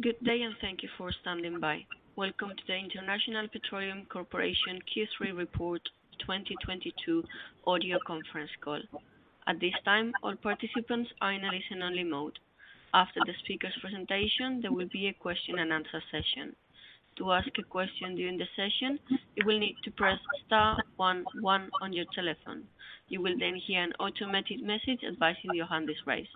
Good day, and thank you for standing by. Welcome to the International Petroleum Corporation Q3 Report 2022 Audio Conference Call. At this time, all participants are in a listen only mode. After the speaker's presentation, there will be a question-and-answer session. To ask a question during the session, you will need to press star one one on your telephone. You will then hear an automated message advising you on this raise.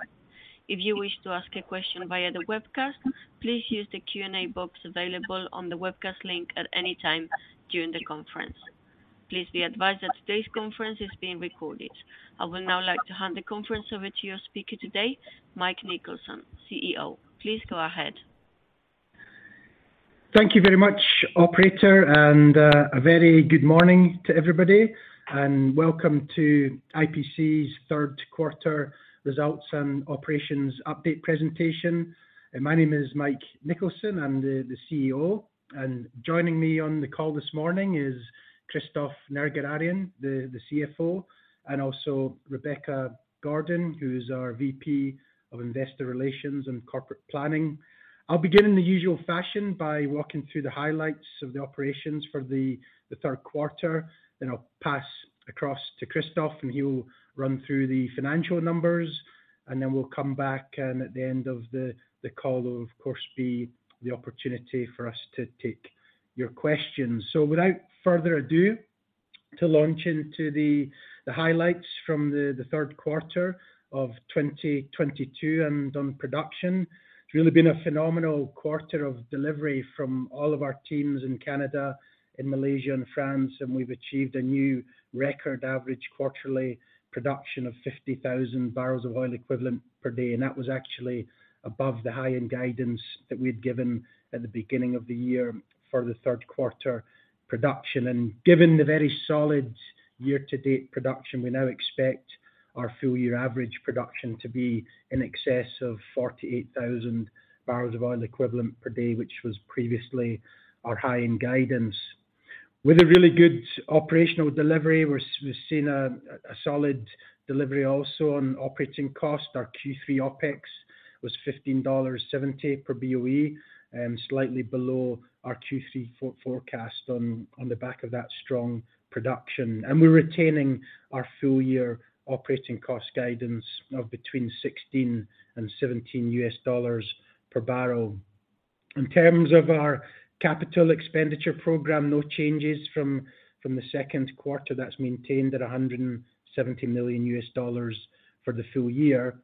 If you wish to ask a question via the webcast, please use the Q&A box available on the webcast link at any time during the conference. Please be advised that today's conference is being recorded. I would now like to hand the conference over to your speaker today, Mike Nicholson, CEO. Please go ahead. Thank you very much, operator. A very good morning to everybody, and welcome to IPC's third quarter results and operations update presentation. My name is Mike Nicholson. I'm the CEO. Joining me on the call this morning is Christophe Nerguararian, the CFO, and also Rebecca Gordon, who's our VP of Investor Relations and Corporate Planning. I'll begin in the usual fashion by walking through the highlights of the operations for the third quarter. Then I'll pass across to Christophe, and he will run through the financial numbers. We'll come back, and at the end of the call, there will, of course, be the opportunity for us to take your questions. Without further ado, to launch into the highlights from the third quarter of 2022 and on production. It's really been a phenomenal quarter of delivery from all of our teams in Canada, in Malaysia and France, and we've achieved a new record average quarterly production of 50,000 bbl of oil equivalent per day. That was actually above the high-end guidance that we had given at the beginning of the year for the third quarter production. Given the very solid year-to-date production, we now expect our full year average production to be in excess of 48,000 bbl of oil equivalent per day, which was previously our high-end guidance. With a really good operational delivery, we're seeing a solid delivery also on operating cost. Our Q3 OpEx was $15.70 per BOE, slightly below our Q3 forecast on the back of that strong production. We're retaining our full year operating cost guidance of between $16-$17 per bbl. In terms of our capital expenditure program, no changes from the second quarter. That's maintained at $170 million for the full year.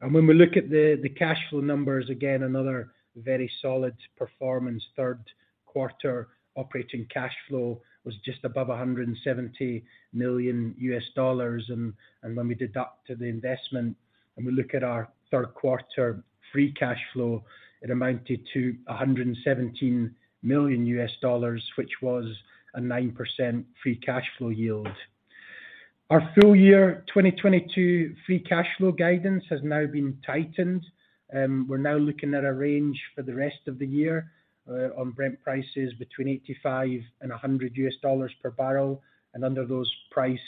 When we look at the cash flow numbers, again, another very solid performance. Third quarter operating cash flow was just above $170 million. When we deduct the investment and we look at our third quarter free cash flow, it amounted to $117 million, which was a 9% free cash flow yield. Our full year 2022 free cash flow guidance has now been tightened, we're now looking at a range for the rest of the year, on Brent prices between $85 and $100 per bbl. Under those price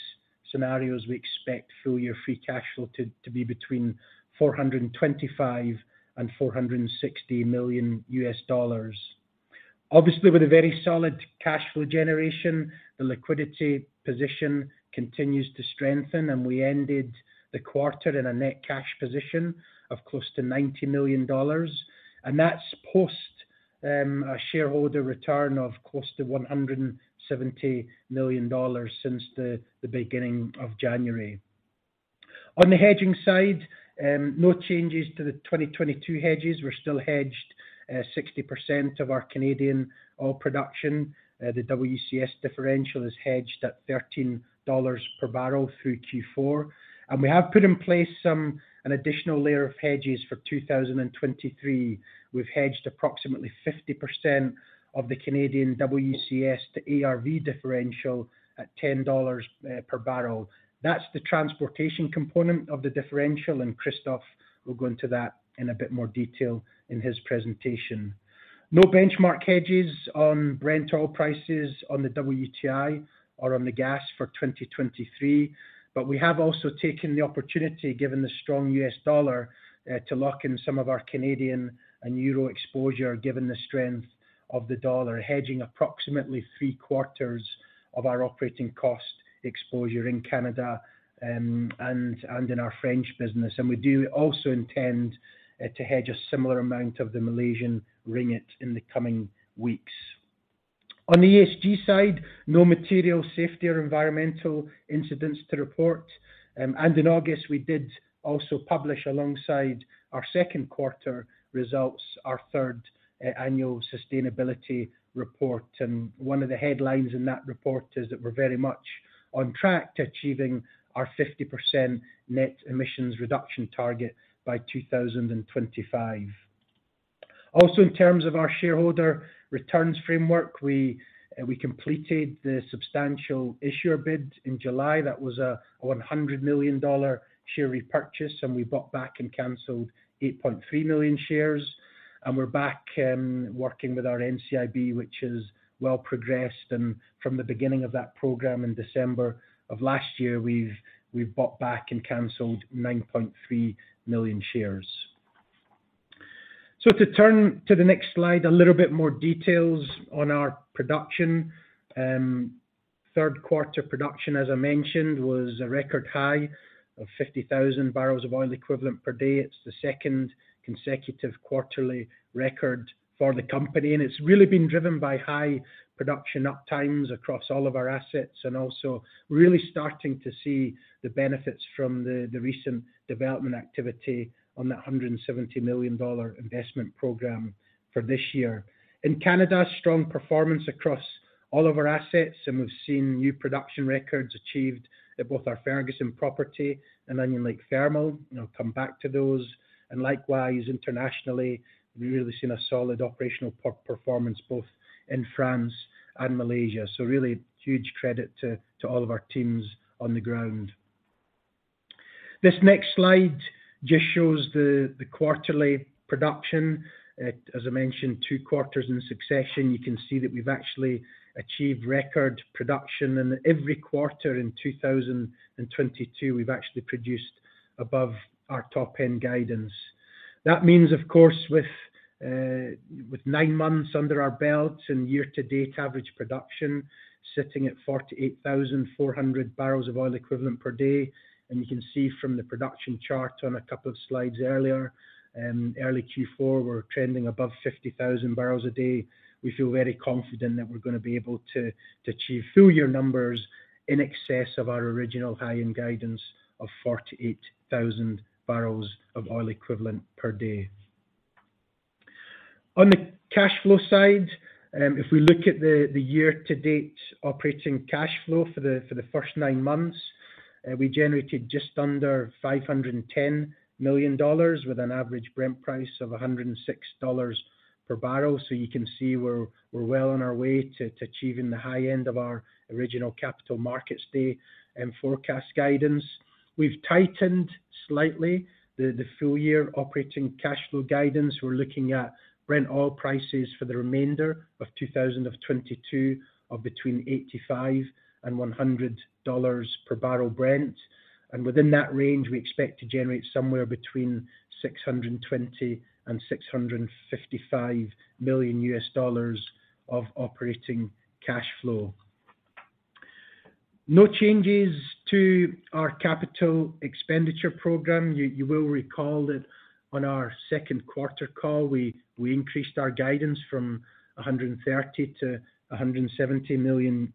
scenarios, we expect full year free cash flow to be between $425 million and $460 million. Obviously, with a very solid cash flow generation, the liquidity position continues to strengthen, and we ended the quarter in a net cash position of close to $90 million. That's post a shareholder return of close to $170 million since the beginning of January. On the hedging side, no changes to the 2022 hedges. We're still hedged 60% of our Canadian oil production. The WCS differential is hedged at $13 per bbl through Q4. We have put in place an additional layer of hedges for 2023. We've hedged approximately 50% of the Canadian WCS to ARV differential at $10 per bbl. That's the transportation component of the differential, and Christophe will go into that in a bit more detail in his presentation. No benchmark hedges on Brent oil prices on the WTI or on the gas for 2023. We have also taken the opportunity, given the strong US dollar, to lock in some of our Canadian and euro exposure, given the strength of the dollar, hedging approximately three-quarters of our operating cost exposure in Canada, and in our French business. We do also intend to hedge a similar amount of the Malaysian ringgit in the coming weeks. On the ESG side, no material safety or environmental incidents to report. In August, we did also publish alongside our second quarter results, our third annual sustainability report. One of the headlines in that report is that we're very much on track to achieving our 50% net emissions reduction target by 2025. Also, in terms of our shareholder returns framework, we completed the substantial issuer bid in July. That was a $100 million share repurchase, and we bought back and canceled 8.3 million shares. We're back working with our NCIB, which is well progressed. From the beginning of that program in December of last year, we've bought back and canceled 9.3 million shares. To turn to the next slide, a little bit more details on our production. Third quarter production, as I mentioned, was a record high of 50,000 bbl of oil equivalent per day. It's the second consecutive quarterly record for the company, and it's really been driven by high production uptimes across all of our assets and also really starting to see the benefits from the recent development activity on that $170 million investment program for this year. In Canada, strong performance across all of our assets, and we've seen new production records achieved at both our Ferguson property and Onion Lake Thermal. I'll come back to those. Likewise, internationally, we've really seen a solid operational performance both in France and Malaysia. Really huge credit to all of our teams on the ground. This next slide just shows the quarterly production. As I mentioned, two quarters in succession, you can see that we've actually achieved record production. In every quarter in 2022, we've actually produced above our top-end guidance. That means, of course, with nine months under our belt and year-to-date average production sitting at 48,400 bbl of oil equivalent per day. You can see from the production chart on a couple of slides earlier, early Q4, we're trending above 50,000 bbl a day. We feel very confident that we're gonna be able to achieve full year numbers in excess of our original high-end guidance of 48,000 bbl of oil equivalent per day. On the cash flow side, if we look at the year-to-date operating cash flow for the first nine months, we generated just under $510 million, with an average Brent price of $106 per bbl. You can see we're well on our way to achieving the high end of our original Capital Markets Day forecast guidance. We've tightened slightly the full year operating cash flow guidance. We're looking at Brent oil prices for the remainder of 2022 between $85 and $100 per bbl Brent. Within that range, we expect to generate somewhere between $620 million and $655 million of operating cash flow. No changes to our capital expenditure program. You will recall that on our second quarter call, we increased our guidance from $130 million to $170 million.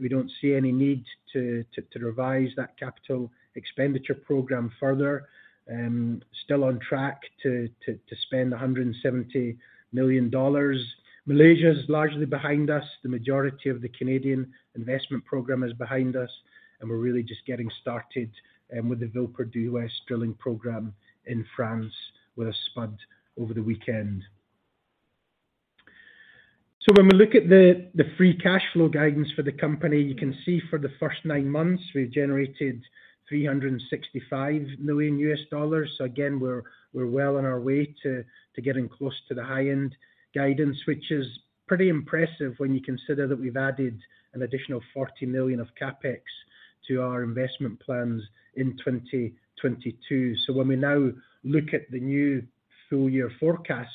We don't see any need to revise that capital expenditure program further. Still on track to spend $170 million. Malaysia is largely behind us. The majority of the Canadian investment program is behind us, and we're really just getting started with the Villeperdue West drilling program in France with a spud over the weekend. When we look at the free cash flow guidance for the company, you can see for the first nine months, we've generated $365 million. Again, we're well on our way to getting close to the high-end guidance, which is pretty impressive when you consider that we've added an additional $40 million of CapEx to our investment plans in 2022. When we now look at the new full-year forecast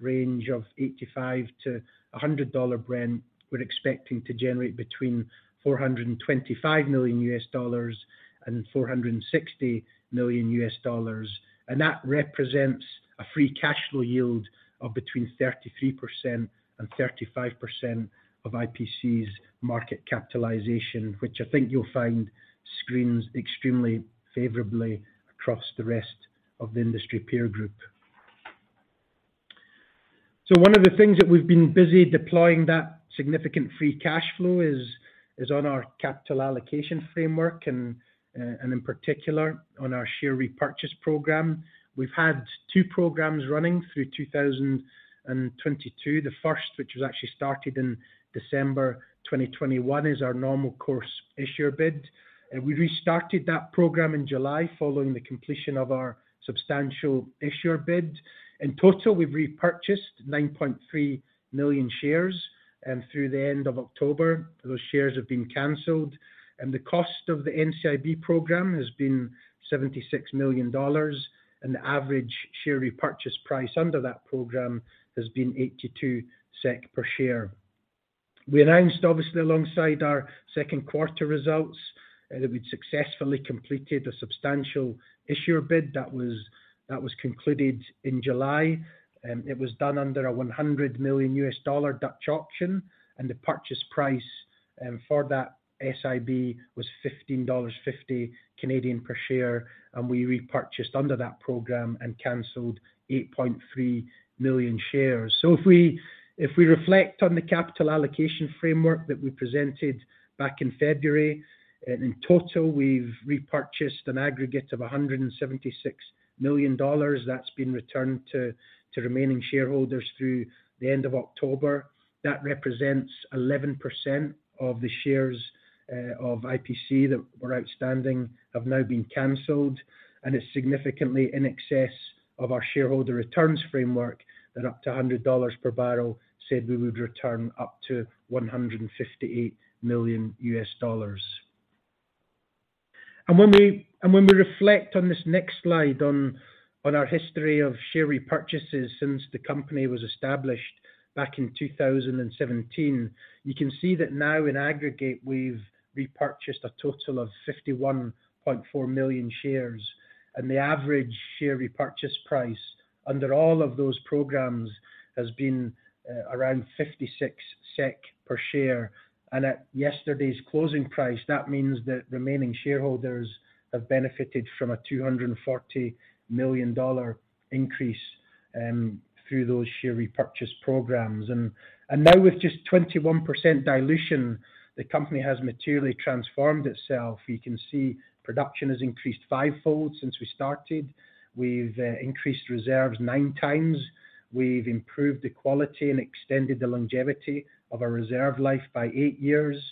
range of $85-$100 Brent, we're expecting to generate between $425 million and $460 million. That represents a free cash flow yield of between 33% and 35% of IPC's market capitalization, which I think you'll find screens extremely favorably across the rest of the industry peer group. One of the things that we've been busy deploying that significant free cash flow is on our capital allocation framework and in particular on our share repurchase program. We've had two programs running through 2022. The first, which was actually started in December 2021, is our normal course issuer bid. We restarted that program in July following the completion of our substantial issuer bid. In total, we've repurchased 9.3 million shares through the end of October. Those shares have been canceled, and the cost of the NCIB program has been $76 million, and the average share repurchase price under that program has been 82 SEK per share. We announced, obviously, alongside our second quarter results, that we'd successfully completed a substantial issuer bid that was concluded in July. It was done under a $100 million Dutch auction, and the purchase price for that SIB was 15.50 Canadian dollars per share, and we repurchased under that program and canceled 8.3 million shares. If we reflect on the capital allocation framework that we presented back in February, in total, we've repurchased an aggregate of $176 million. That's been returned to remaining shareholders through the end of October. That represents 11% of the shares of IPC that were outstanding have now been canceled, and it's significantly in excess of our shareholder returns framework that up to $100 per bbl said we would return up to $158 million. When we reflect on this next slide on our history of share repurchases since the company was established back in 2017, you can see that now in aggregate, we've repurchased a total of 51.4 million shares, and the average share repurchase price under all of those programs has been around 56 SEK per share. At yesterday's closing price, that means that remaining shareholders have benefited from a $240 million increase through those share repurchase programs. Now with just 21% dilution, the company has materially transformed itself. You can see production has increased fivefold since we started. We've increased reserves nine times. We've improved the quality and extended the longevity of our reserve life by eight years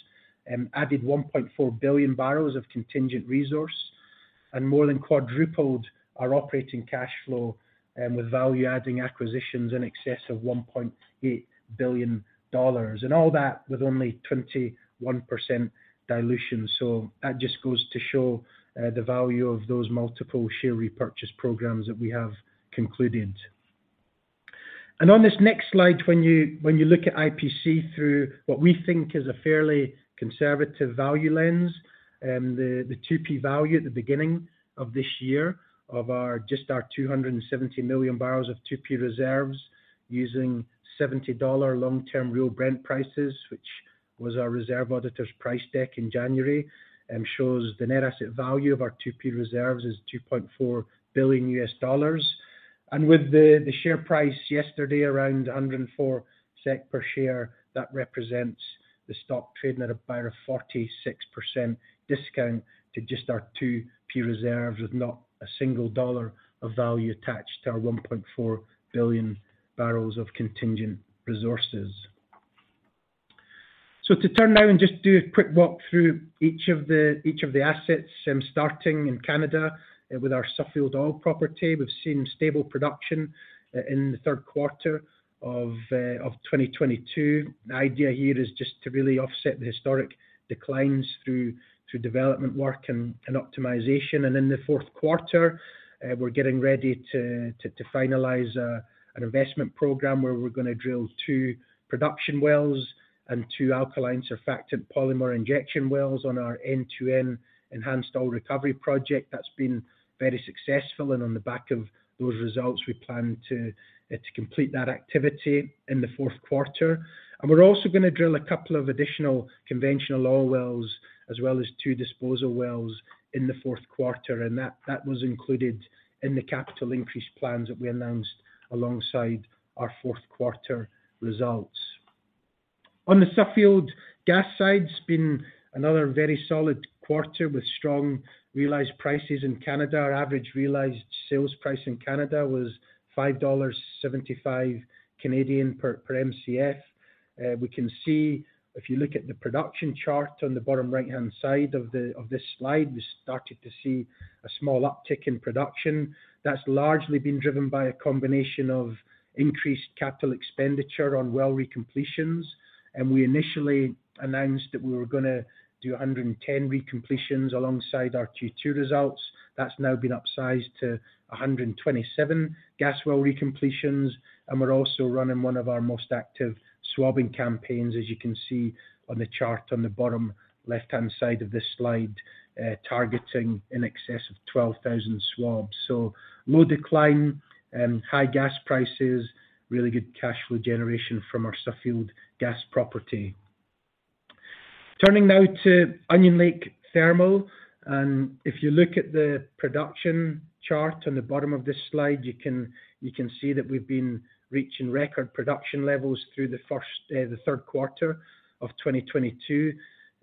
and added 1.4 billion bbl of contingent resource and more than quadrupled our operating cash flow with value-adding acquisitions in excess of $1.8 billion. All that with only 21% dilution. That just goes to show the value of those multiple share repurchase programs that we have concluded. On this next slide, when you look at IPC through what we think is a fairly conservative value lens, the 2P value at the beginning of this year of just our 270 million bbl of 2P reserves using $70 long-term real Brent prices, which was our reserve auditor's price deck in January, shows the net asset value of our 2P reserves is $2.4 billion. With the share price yesterday around 104 SEK per share, that represents the stock trading at about a 46% discount to just our 2P reserves with not a single dollar of value attached to our 1.4 billion bbl of contingent resources. To turn now and just do a quick walk through each of the assets, starting in Canada, with our Suffield oil property. We've seen stable production in the third quarter of 2022. The idea here is just to really offset the historic declines through development work and optimization. In the fourth quarter, we're getting ready to finalize an investment program where we're gonna drill two production wells and two alkaline surfactant polymer injection wells on our end-to-end enhanced oil recovery project. That's been very successful. On the back of those results, we plan to complete that activity in the fourth quarter. We're also gonna drill a couple of additional conventional oil wells as well as two disposal wells in the fourth quarter. That was included in the capital increase plans that we announced alongside our fourth quarter results. On the Suffield gas side, it's been another very solid quarter with strong realized prices in Canada. Our average realized sales price in Canada was 5.75 dollars per MCF. We can see if you look at the production chart on the bottom right-hand side of this slide, we started to see a small uptick in production. That's largely been driven by a combination of increased capital expenditure on well recompletions. We initially announced that we were gonna do 110 recompletions alongside our Q2 results. That's now been upsized to 127 gas well recompletions. We're also running one of our most active swabbing campaigns, as you can see on the chart on the bottom left-hand side of this slide, targeting in excess of 12,000 swabs. Low decline, high gas prices, really good cash flow generation from our Suffield gas property. Turning now to Onion Lake thermal. If you look at the production chart on the bottom of this slide, you can see that we've been reaching record production levels through the first, the third quarter of 2022.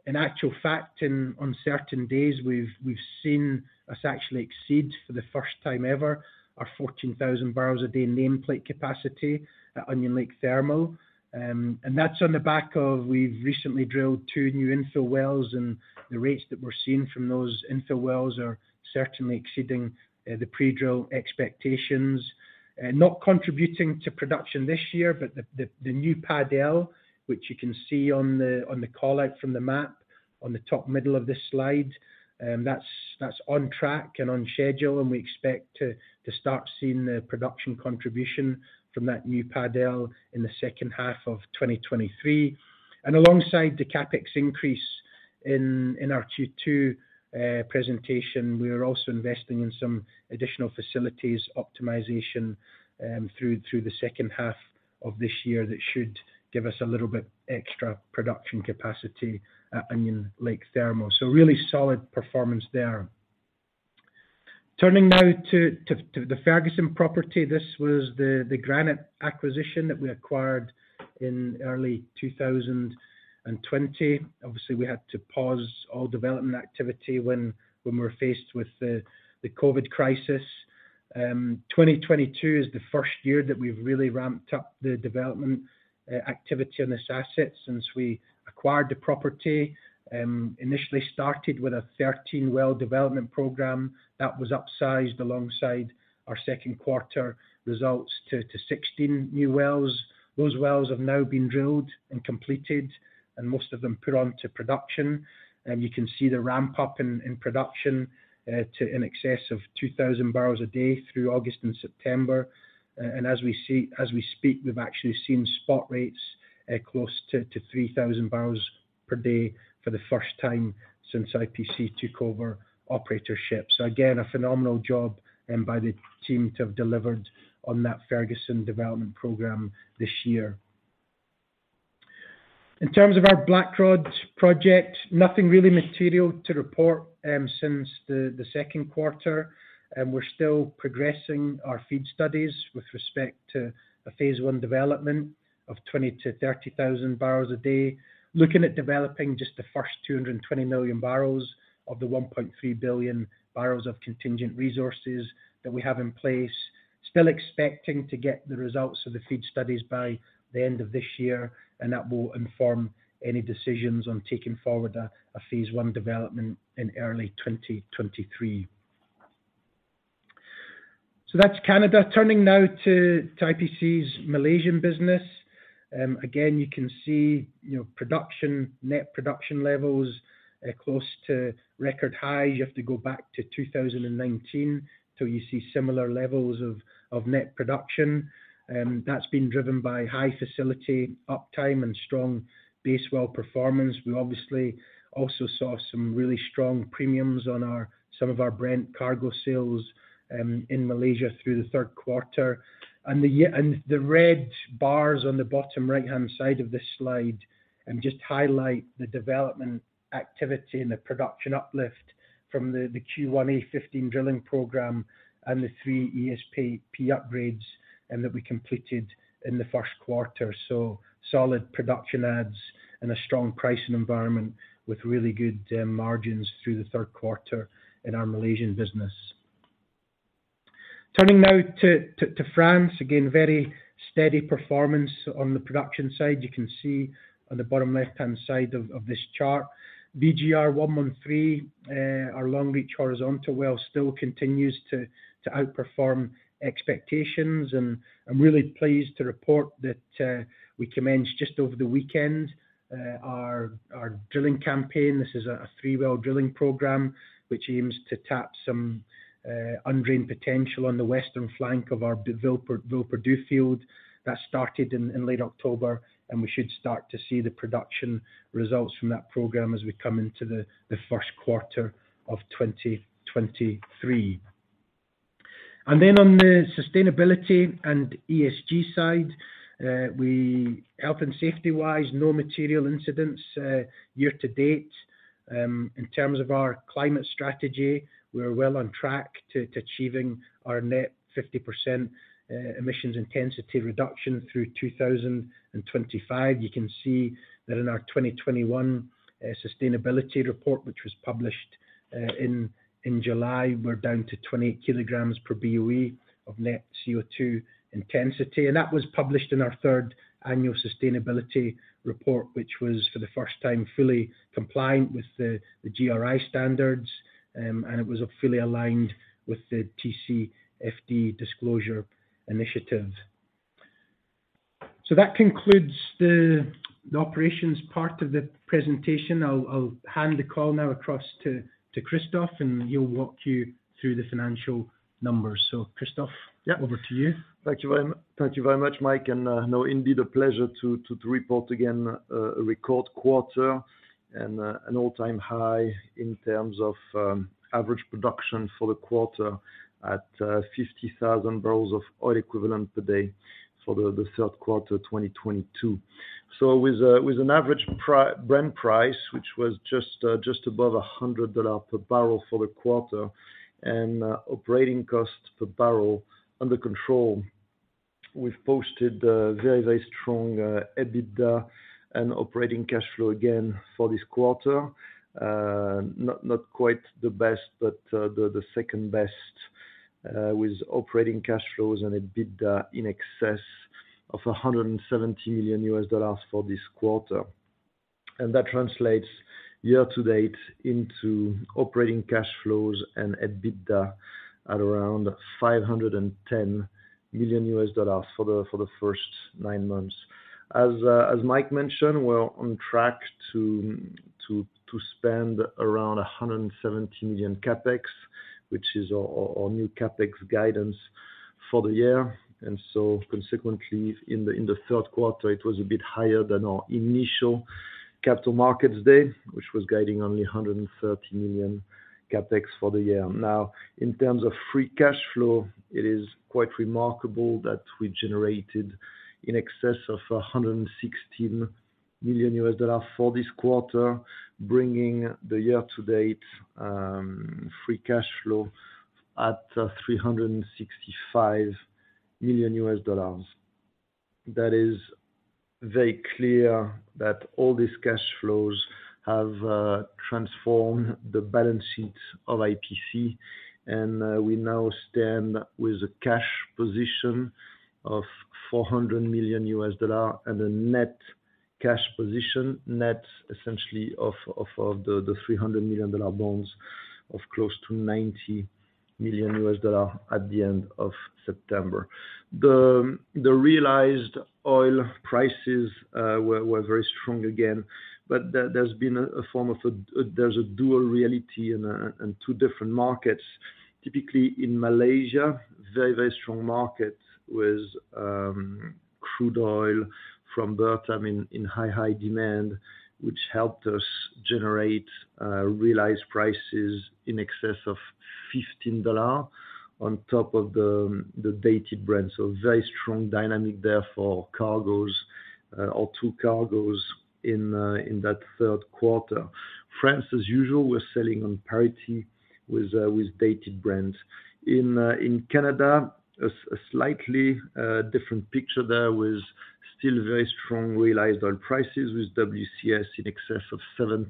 In actual fact, on certain days, we've seen us actually exceed for the first time ever our 14,000 bbl a day nameplate capacity at Onion Lake thermal. That's on the back of we've recently drilled two new infill wells, and the rates that we're seeing from those infill wells are certainly exceeding the pre-drill expectations. Not contributing to production this year, but the new pad L, which you can see on the call-out from the map on the top middle of this slide, that's on track and on schedule, and we expect to start seeing the production contribution from that new pad L in the second half of 2023. Alongside the CapEx increase in our Q2 presentation, we are also investing in some additional facilities optimization through the second half of this year that should give us a little bit extra production capacity at Onion Lake thermal. Really solid performance there. Turning now to the Ferguson property. This was the Granite acquisition that we acquired in early 2020. Obviously, we had to pause all development activity when we were faced with the COVID crisis. 2022 is the first year that we've really ramped up the development activity on this asset since we acquired the property. Initially started with a 13-well development program. That was upsized alongside our second quarter results to 16 new wells. Those wells have now been drilled and completed and most of them put onto production. You can see the ramp-up in production to in excess of 2,000 bbl a day through August and September. As we speak, we've actually seen production rates close to 3,000 bbl for the first time since IPC took over operatorship. Again, a phenomenal job by the team to have delivered on that Ferguson development program this year. In terms of our Blackrod project, nothing really material to report since the second quarter. We're still progressing our FEED studies with respect to a phase one development of 20,000-30,000 bbl a day. Looking at developing just the first 220 million bbl of the 1.3 billion bbl of contingent resources that we have in place. Still expecting to get the results of the FEED studies by the end of this year, and that will inform any decisions on taking forward a phase one development in early 2023. That's Canada. Turning now to IPC's Malaysian business. Again, you can see, you know, production, net production levels close to record high. You have to go back to 2019 until you see similar levels of net production. That's been driven by high facility uptime and strong base well performance. We obviously also saw some really strong premiums on our, some of our Brent cargo sales, in Malaysia through the third quarter. The red bars on the bottom right-hand side of this slide just highlight the development activity and the production uplift from the Q1E15 drilling program and the three ESP upgrades that we completed in the first quarter. Solid production adds and a strong pricing environment with really good margins through the third quarter in our Malaysian business. Turning now to France. Again, very steady performance on the production side. You can see on the bottom left-hand side of this chart, BGR-113, our long reach horizontal well still continues to outperform expectations. I'm really pleased to report that we commenced just over the weekend our drilling campaign. This is a three-well drilling program, which aims to tap some undrained potential on the western flank of our Villeperdue field. That started in late October, and we should start to see the production results from that program as we come into the first quarter of 2023. Then on the sustainability and ESG side, Health and safety-wise, no material incidents year to date. In terms of our climate strategy, we are well on track to achieving our net 50% emissions intensity reduction through 2025. You can see that in our 2021 sustainability report, which was published in July. We're down to 20 kilograms per BOE of net CO2 intensity. That was published in our third annual sustainability report, which was for the first time fully compliant with the GRI standards. It was fully aligned with the TCFD Disclosure Initiative. That concludes the operations part of the presentation. I'll hand the call now across to Christophe, and he'll walk you through the financial numbers. Christophe. Yeah. Over to you. Thank you very much, Mike. It's a pleasure to report again a record quarter and an all-time high in terms of average production for the quarter at 50,000 bbl of oil equivalent per day for the third quarter 2022. With an average Brent price, which was just above $100 per bbl for the quarter, and operating costs per bbl under control, we've posted very strong EBITDA and operating cash flow again for this quarter. Not quite the best, but the second best, with operating cash flows and EBITDA in excess of $170 million for this quarter. That translates year to date into operating cash flows and EBITDA at around $510 million for the first nine months. As Mike mentioned, we're on track to spend around $170 million CapEx, which is our new CapEx guidance for the year. Consequently, in the third quarter, it was a bit higher than our initial Capital Markets Day, which was guiding only $130 million CapEx for the year. Now, in terms of free cash flow, it is quite remarkable that we generated in excess of $116 million for this quarter, bringing the year to date free cash flow at $365 million. That is very clear that all these cash flows have transformed the balance sheet of IPC, and we now stand with a cash position of $400 million and a net cash position, net essentially of the $300 million bonds of close to $90 million at the end of September. The realized oil prices were very strong again, but there's been a form of dual reality and two different markets. Typically in Malaysia, very strong market with crude oil from Bertam, I mean, in high demand, which helped us generate realized prices in excess of $15 on top of the dated Brent. Very strong dynamic there for two cargoes in that third quarter. France, as usual, we're selling on parity with Dated Brent. In Canada, a slightly different picture there with still very strong realized oil prices with WCS in excess of $70.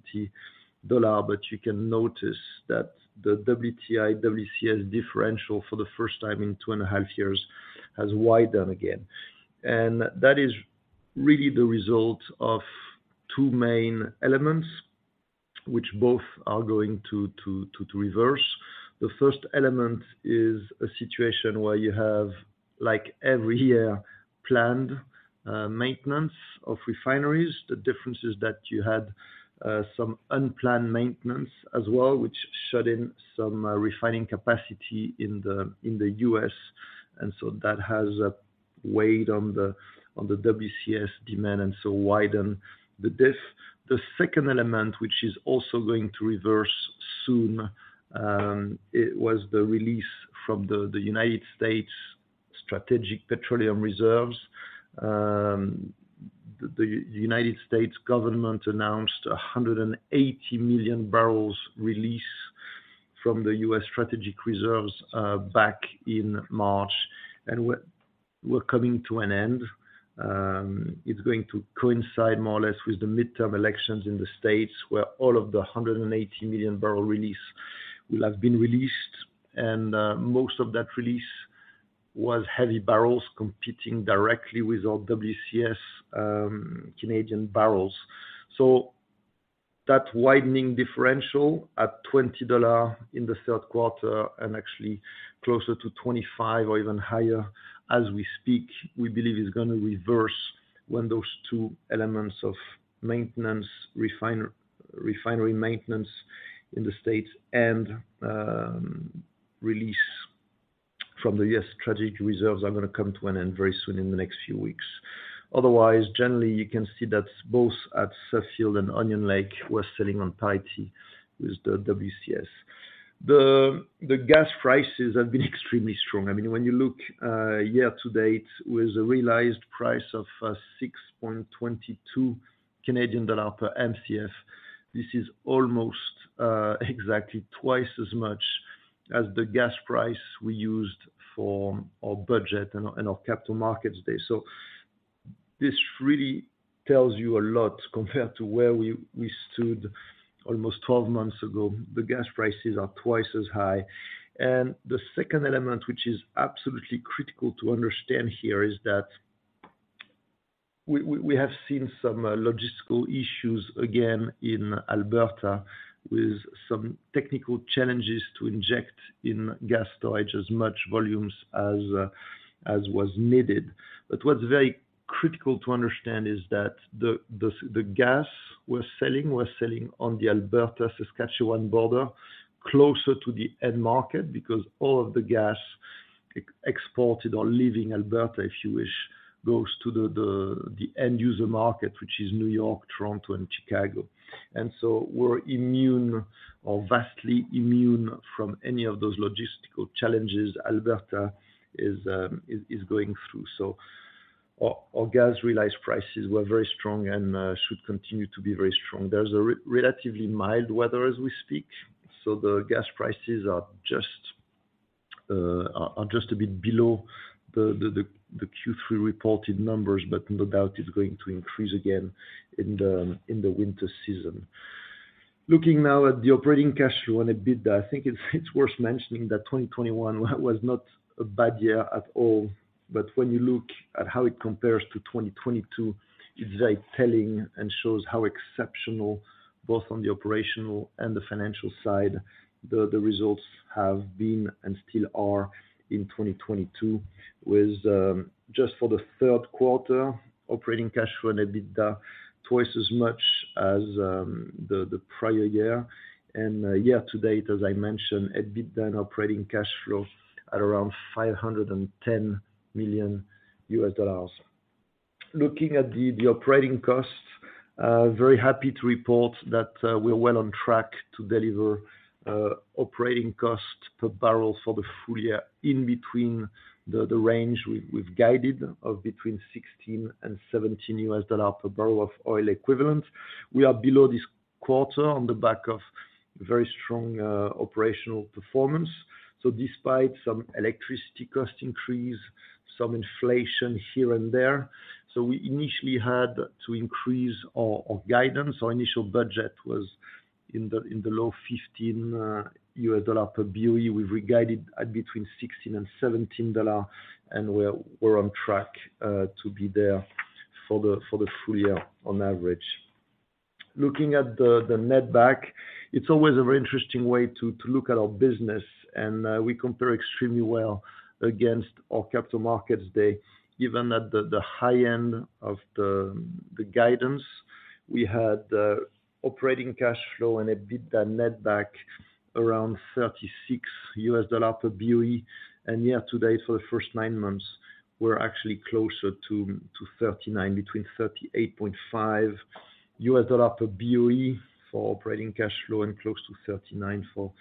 You can notice that the WTI, WCS differential for the first time in 2.5 years has widened again. That is really the result of two main elements, which both are going to reverse. The first element is a situation where you have, like every year, planned maintenance of refineries. The difference is that you had some unplanned maintenance as well, which shut in some refining capacity in the U.S. That has weighed on the WCS demand and so widened the diff. The second element, which is also going to reverse soon, it was the release from the United States Strategic Petroleum Reserve. The United States government announced 180 million bbl release from the U.S. Strategic Petroleum Reserve, back in March. We're coming to an end. It's going to coincide more or less with the midterm elections in the States, where all of the 180 million bbl release will have been released. Most of that release was heavy bbl competing directly with our WCS, Canadian bbl. That widening differential at $20 in the third quarter and actually closer to 25 or even higher as we speak, we believe is gonna reverse when those two elements of maintenance, refinery maintenance in the States and release from the U.S. strategic reserves are gonna come to an end very soon in the next few weeks. Otherwise, generally, you can see that both at Suffield and Onion Lake, we're selling on parity with the WCS. The gas prices have been extremely strong. I mean, when you look year to date with a realized price of 6.22 Canadian dollar per Mcf, this is almost exactly twice as much as the gas price we used for our budget and our Capital Markets Day. This really tells you a lot compared to where we stood almost 12 months ago. The gas prices are twice as high. The second element, which is absolutely critical to understand here, is that we have seen some logistical issues again in Alberta with some technical challenges to inject in gas storage as much volumes as was needed. What's very critical to understand is that the gas we're selling, we're selling on the Alberta Saskatchewan border, closer to the end market, because all of the gas exported or leaving Alberta, if you wish, goes to the end user market, which is New York, Toronto and Chicago. We're immune or vastly immune from any of those logistical challenges Alberta is going through. Our gas realized prices were very strong and should continue to be very strong. There's a relatively mild weather as we speak, so the gas prices are just a bit below the Q3 reported numbers, but no doubt it's going to increase again in the winter season. Looking now at the operating cash flow and EBITDA, I think it's worth mentioning that 2021 was not a bad year at all. When you look at how it compares to 2022, it's very telling and shows how exceptional, both on the operational and the financial side, the results have been and still are in 2022. With just for the third quarter, operating cash flow and EBITDA twice as much as the prior year. Year to date, as I mentioned, EBITDA and operating cash flow at around $510 million. Looking at the operating costs, very happy to report that we're well on track to deliver operating cost per bbl for the full year in between the range we've guided of between $16 and $17 per bbl of oil equivalent. We are below this quarter on the back of very strong operational performance. Despite some electricity cost increase, some inflation here and there, we initially had to increase our guidance. Our initial budget was in the low $15 per BOE. We've re-guided at between $16 and $17 and we're on track to be there for the full year on average. Looking at the net back, it's always a very interesting way to look at our business, and we compare extremely well against our Capital Markets Day. Even at the high end of the guidance, we had operating cash flow and a bit that netback around $36 per BOE. Year to date, for the first nine months, we're actually closer to 39, between $38.5 per BOE for operating cash flow, and close to 39 for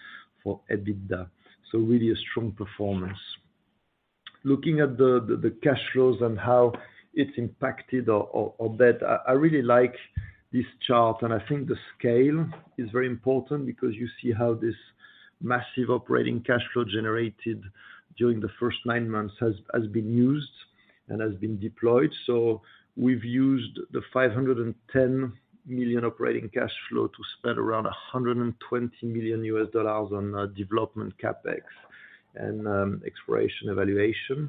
EBITDA. Really a strong performance. Looking at the cash flows and how it's impacted or that. I really like this chart, and I think the scale is very important because you see how this massive operating cash flow generated during the first nine months has been used and has been deployed. We've used the $510 million operating cash flow to spend around $120 million on development CapEx and exploration evaluation.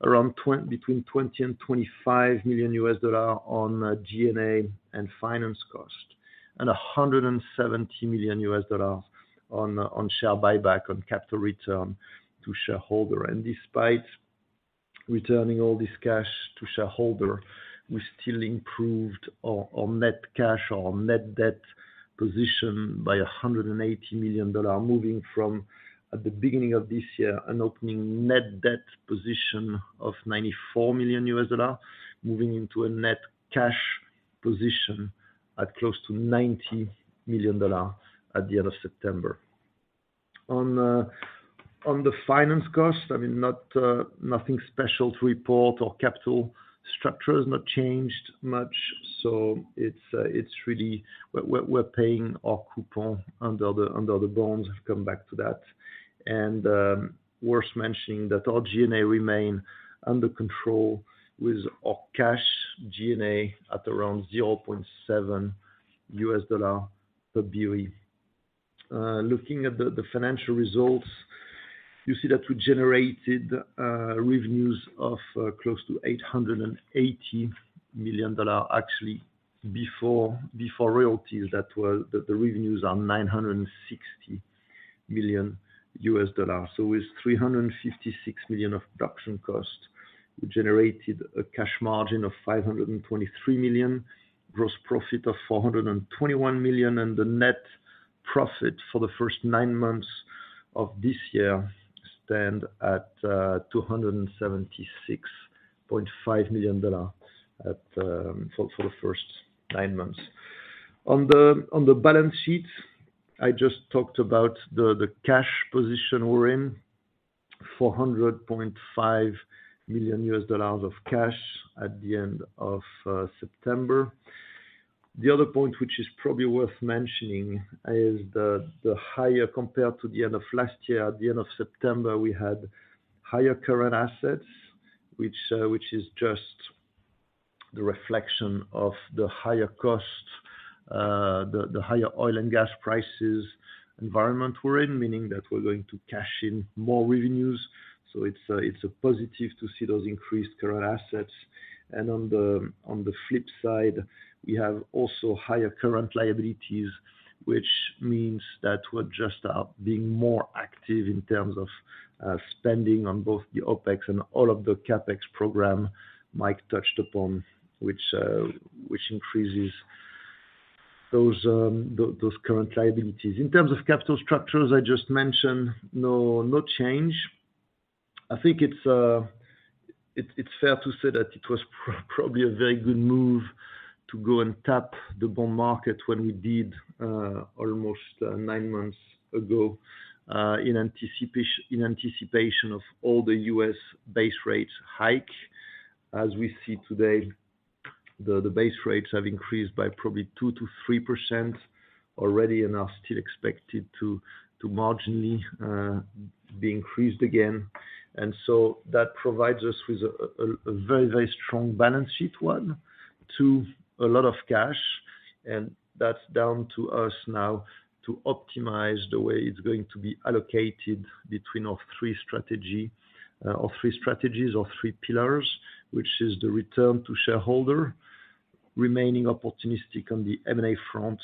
Between $20 million and $25 million on G&A and finance cost. $170 million on share buyback, on capital return to shareholder. Despite returning all this cash to shareholder, we still improved our net cash, our net debt position by $180 million. Moving from at the beginning of this year an opening net debt position of $94 million, moving into a net cash position at close to $90 million at the end of September. On the finance cost, I mean, nothing special to report. Our capital structure has not changed much, so it's really we're paying our coupon under the bonds. I'll come back to that. Worth mentioning that our G&A remain under control with our cash G&A at around $0.7 per BOE. Looking at the financial results, you see that we generated revenues of close to $880 million. Actually, revenues are $960 million. With $356 million of production cost, we generated a cash margin of $523 million. Gross profit of $421 million, and the net profit for the first nine months of this year stand at $276.5 million for the first nine months. On the balance sheet, I just talked about the cash position we're in, $400.5 million of cash at the end of September. The other point, which is probably worth mentioning, is the higher compared to the end of last year. At the end of September, we had higher current assets, which is just the reflection of the higher cost, the higher oil and gas prices environment we're in, meaning that we're going to cash in more revenues. It's a positive to see those increased current assets. On the flip side, we have also higher current liabilities, which means that we're just being more active in terms of spending on both the OpEx and all of the CapEx program Mike touched upon, which increases those current liabilities. In terms of capital structures I just mentioned, no change. I think it's fair to say that it was probably a very good move to go and tap the bond market when we did almost nine months ago in anticipation of all the U.S. base rates hike. As we see today, the base rates have increased by probably 2%-3% already and are still expected to marginally be increased again. That provides us with a very strong balance sheet with a lot of cash, and that's down to us now to optimize the way it's going to be allocated between our three strategies or three pillars, which is the return to shareholder, remaining opportunistic on the M&A front,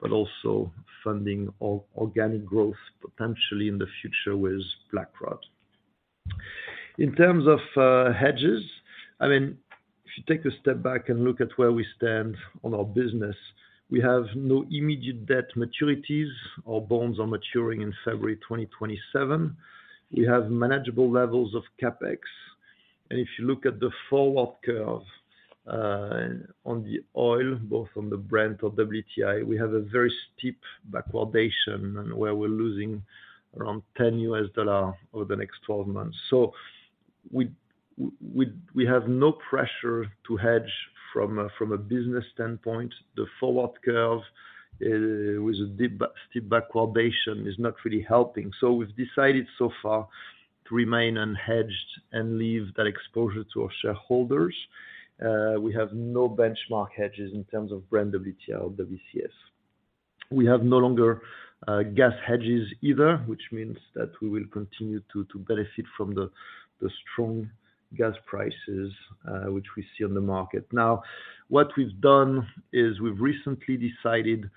but also funding organic growth potentially in the future with Blackrod. In terms of hedges, I mean, if you take a step back and look at where we stand on our business, we have no immediate debt maturities. Our bonds are maturing in February 2027. We have manageable levels of CapEx. If you look at the forward curve on the oil, both on the Brent or WTI, we have a very steep backwardation on where we're losing around $10 over the next 12 months. We have no pressure to hedge from a business standpoint. The forward curve with a steep backwardation is not really helping. We've decided so far to remain unhedged and leave that exposure to our shareholders. We have no benchmark hedges in terms of Brent, WTI, or WCS. We have no longer gas hedges either, which means that we will continue to benefit from the strong gas prices which we see on the market. Now, what we've done is we've recently decided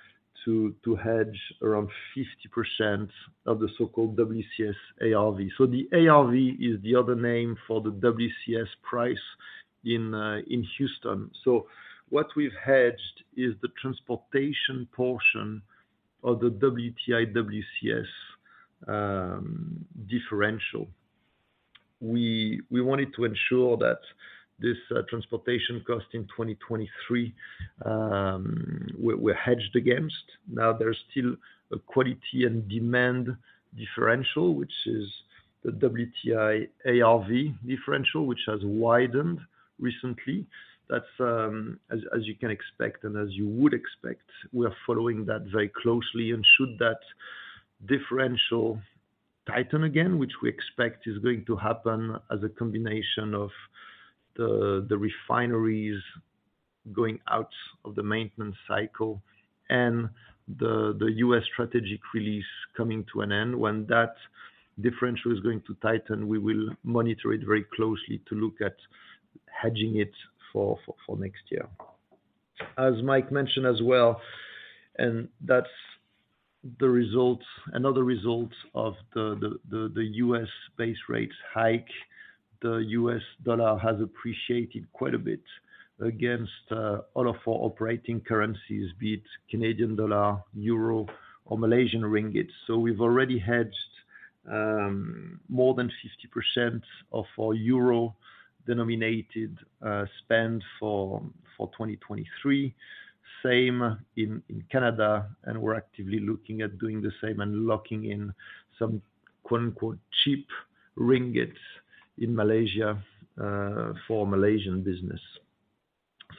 to hedge around 50% of the so-called WCS ARV. The ARV is the other name for the WCS price in Houston. What we've hedged is the transportation portion of the WTI WCS differential. We wanted to ensure that this transportation cost in 2023 we were hedged against. Now there's still a quality and demand differential, which is the WTI ARV differential, which has widened recently. That's as you can expect and as you would expect, we are following that very closely. Should that differential tighten again, which we expect is going to happen as a combination of the refineries going out of the maintenance cycle and the U.S. strategic release coming to an end. When that differential is going to tighten, we will monitor it very closely to look at hedging it for next year. As Mike mentioned as well, and that's the results, another result of the U.S. base rates hike. The US dollar has appreciated quite a bit against all of our operating currencies, be it Canadian dollar, Euro, or Malaysian ringgit. We've already hedged more than 50% of our euro-denominated spend for 2023. Same in Canada, and we're actively looking at doing the same and locking in some, quote-unquote, "cheap ringgits" in Malaysia for Malaysian business.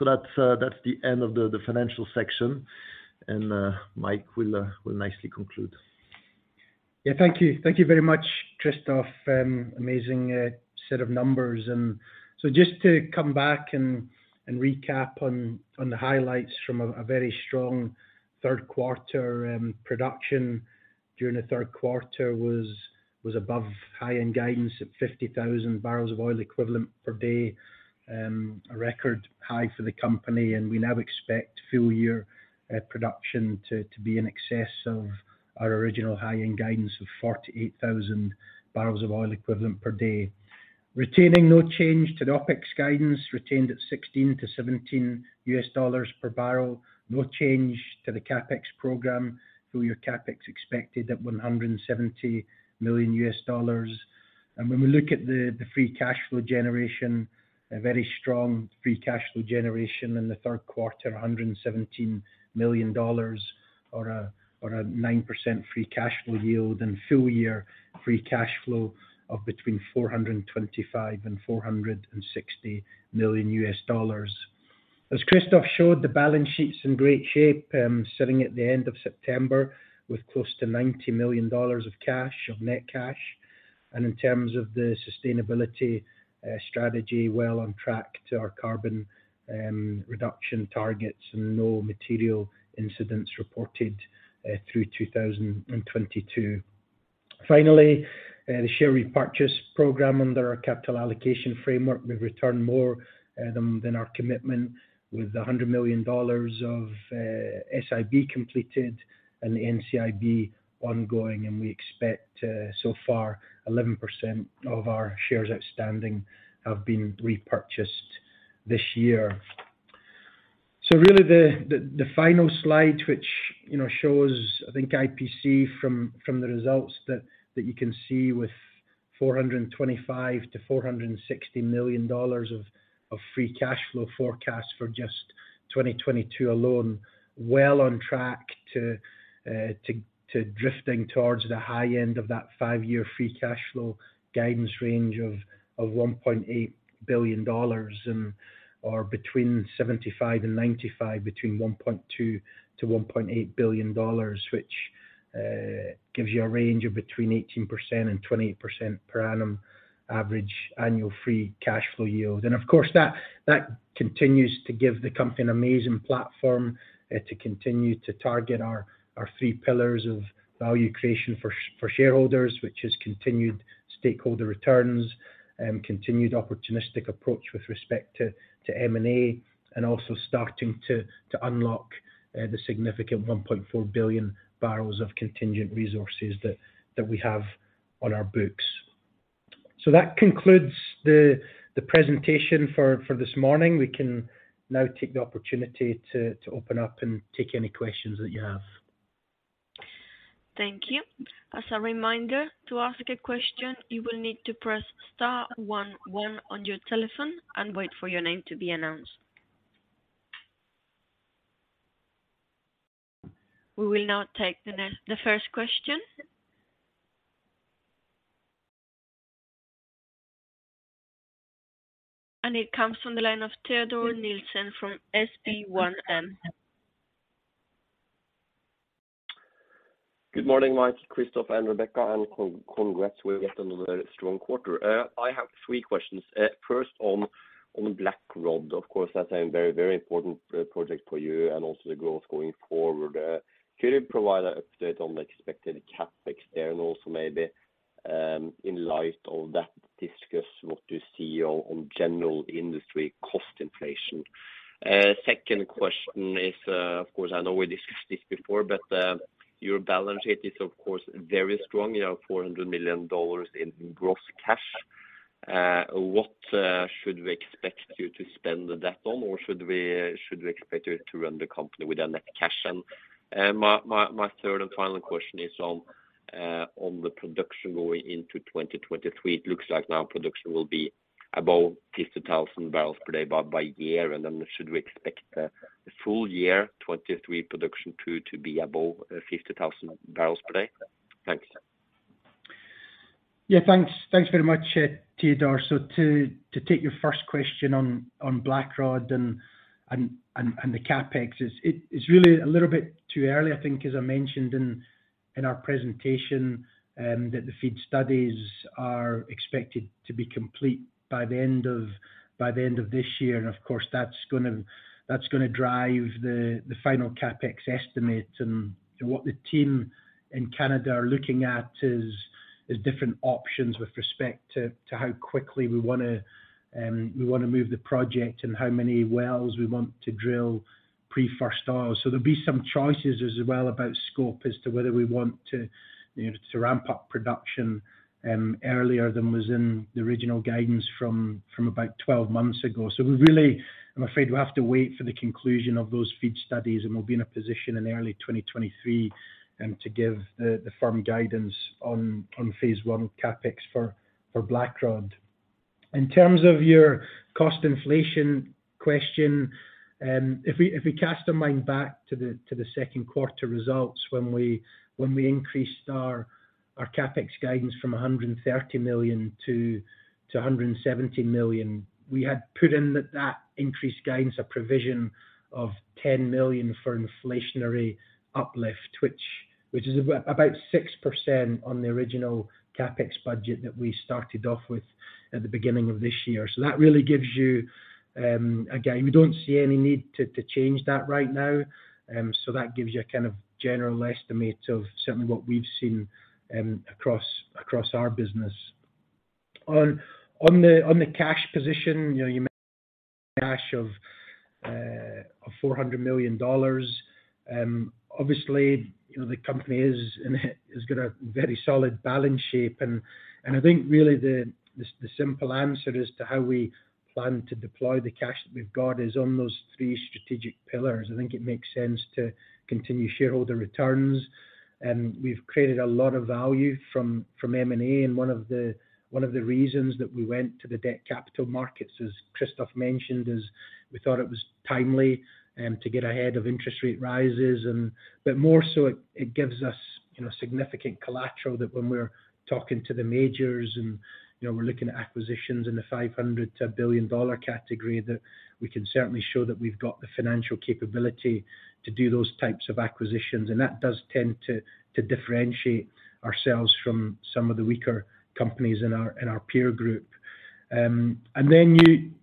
That's the end of the financial section. Mike will nicely conclude. Yeah. Thank you. Thank you very much, Christophe. Amazing set of numbers. Just to come back and recap on the highlights from a very strong third quarter, production during the third quarter was above high-end guidance at 50,000 bbl of oil equivalent per day, a record high for the company. We now expect full year production to be in excess of our original high-end guidance of 48,000 bbl of oil equivalent per day. Retaining no change to the OpEx guidance retained at $16-$17 per bbl. No change to the CapEx program. Full year CapEx expected at $170 million. When we look at the free cash flow generation, a very strong free cash flow generation in the third quarter, $117 million or a 9% free cash flow yield and full year free cash flow of between $425 million and $460 million. As Christophe showed, the balance sheet's in great shape, sitting at the end of September with close to $90 million of net cash. In terms of the sustainability strategy, well on track to our carbon reduction targets and no material incidents reported through 2022. Finally, the share repurchase program under our capital allocation framework, we've returned more than our commitment with $100 million of SIB completed and the NCIB ongoing. We expect so far 11% of our shares outstanding have been repurchased this year. Really the final slide, which you know shows I think IPC from the results that you can see with $425 million-$460 million of free cash flow forecast for just 2022 alone. Well on track to drifting towards the high end of that five-year free cash flow guidance range of $1.8 billion, between $1.2-$1.8 billion, which gives you a range of between 18% and 28% per annum average annual free cash flow yield. Of course that continues to give the company an amazing platform to continue to target our three pillars of value creation for shareholders. Which is continued stakeholder returns, continued opportunistic approach with respect to M&A, and also starting to unlock the significant 1.4 billion bbl of contingent resources that we have on our books. That concludes the presentation for this morning. We can now take the opportunity to open up and take any questions that you have. Thank you. As a reminder, to ask a question, you will need to press star one one on your telephone and wait for your name to be announced. We will now take the first question. It comes from the line of Teodor Sveen-Nilsen from SpareBank 1 Markets. Good morning, Mike, Christophe, and Rebecca, and congrats with yet another strong quarter. I have three questions. First on Blackrod. Of course, that's a very important project for you and also the growth going forward. Could you provide an update on the expected CapEx there? And also maybe in light of that, discuss what you see on general industry cost inflation. Second question is, of course, I know we discussed this before, but your balance sheet is of course very strong. You have $400 million in gross cash. What should we expect you to spend the cash on? Or should we expect you to run the company with a net cash? And my third and final question is on the production going into 2023. It looks like now production will be above 50,000 bbl per day about by year. Should we expect the full year 2023 production too to be above 50,000 bbl per day? Thanks. Yeah, thanks. Thanks very much, Theodore. To take your first question on Blackrod and the CapEx. It's really a little bit too early, I think, as I mentioned in our presentation, that the FEED studies are expected to be complete by the end of this year. Of course, that's gonna drive the final CapEx estimate. What the team in Canada are looking at is different options with respect to how quickly we wanna move the project and how many wells we want to drill pre first oil. There'll be some choices as well about scope as to whether we want to, you know, to ramp up production earlier than was in the original guidance from about 12 months ago. We really I'm afraid we have to wait for the conclusion of those FEED studies, and we'll be in a position in early 2023 to give the firm guidance on phase one CapEx for Blackrod. In terms of your cost inflation question, if we cast our mind back to the second quarter results, when we increased our CapEx guidance from $130 million-$170 million, we had put in that increased guidance a provision of $10 million for inflationary uplift, which is about 6% on the original CapEx budget that we started off with at the beginning of this year. That really gives you a guide. We don't see any need to change that right now. That gives you a kind of general estimate of certainly what we've seen across our business. On the cash position, you know, you mentioned cash of $400 million. Obviously, you know, the company has got a very solid balance sheet. I think really the simple answer as to how we plan to deploy the cash that we've got is on those three strategic pillars. I think it makes sense to continue shareholder returns. We've created a lot of value from M&A. One of the reasons that we went to the debt capital markets, as Christophe mentioned, is we thought it was timely to get ahead of interest rate rises. But more so it gives us, you know, significant collateral that when we're talking to the majors and, you know, we're looking at acquisitions in the $500 million-$1 billion category, that we can certainly show that we've got the financial capability to do those types of acquisitions. That does tend to differentiate ourselves from some of the weaker companies in our peer group. Then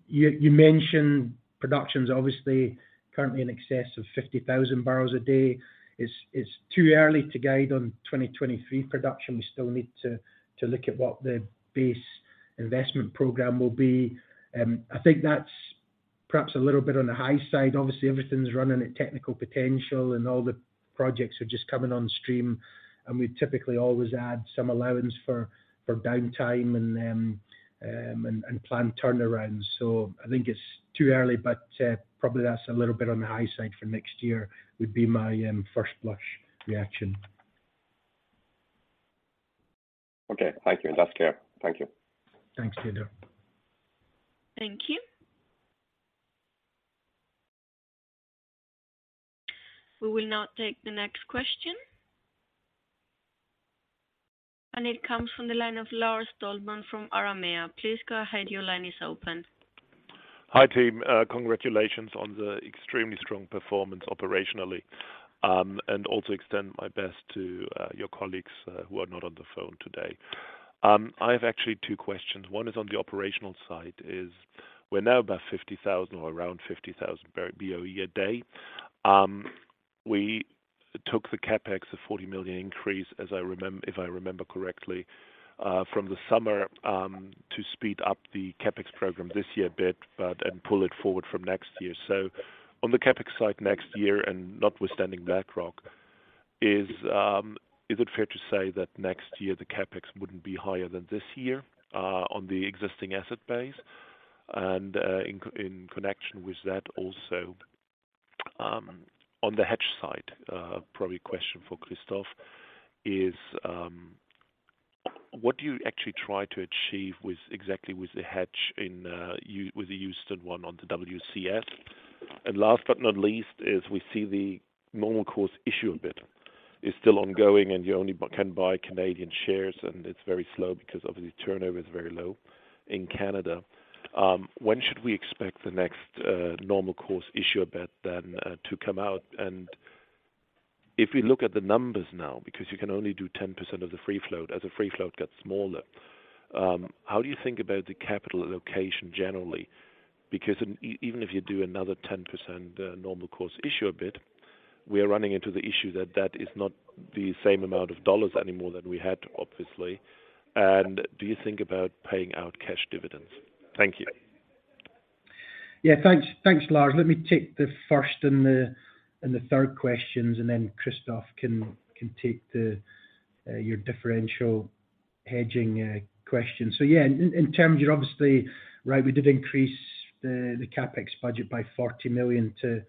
you mentioned production's obviously currently in excess of 50,000 bbl a day. It's too early to guide on 2023 production. We still need to look at what the base investment program will be. I think that's perhaps a little bit on the high side. Obviously, everything's running at technical potential, and all the projects are just coming on stream. We typically always add some allowance for downtime and planned turnaround. I think it's too early, but probably that's a little bit on the high side for next year, would be my first blush reaction. Okay. Thank you. That's clear. Thank you. Thanks, Teodor. Thank you. We will now take the next question. It comes from the line of Lars Dohlman from Carnegie. Please go ahead. Your line is open. Hi, team. Congratulations on the extremely strong performance operationally, and also extend my best to your colleagues who are not on the phone today. I have actually two questions. One is on the operational side, is we're now about 50,000 or around 50,000 BOE a day. We took the $40 million increase, as I if I remember correctly, from the summer, to speed up the CapEx program this year a bit and pull it forward from next year. On the CapEx side next year and notwithstanding Blackrod, is it fair to say that next year the CapEx wouldn't be higher than this year on the existing asset base? In connection with that also, on the hedge side, probably a question for Christophe, is what do you actually try to achieve with exactly with the hedge in with the Houston one on the WCS? Last but not least is we see the normal course issuer bid is still ongoing, and you only can buy Canadian shares, and it's very slow because obviously turnover is very low in Canada. When should we expect the next normal course issuer bid then to come out? If we look at the numbers now, because you can only do 10% of the free float as a free float gets smaller, how do you think about the capital allocation generally? Because I even if you do another 10%, normal course issuer bid, we are running into the issue that that is not the same amount of dollars anymore that we had, obviously. Do you think about paying out cash dividends? Thank you. Yeah. Thanks, Lars. Let me take the first and the third questions, and then Christophe can take your differential hedging question. Yeah, in terms, you're obviously right. We did increase the CapEx budget by $40 million to